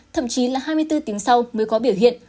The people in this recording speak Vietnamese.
thậm chí là hai mươi bốn tiếng sau mới có biểu hiện